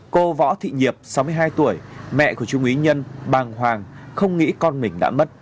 cô võ thị nhiệp sáu mươi hai tuổi mẹ của trung úy nhân bàng hoàng không nghĩ con mình đã mất